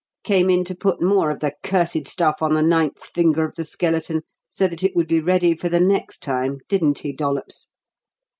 Came in to put more of the cursed stuff on the ninth finger of the skeleton, so that it would be ready for the next time, didn't he, Dollops?"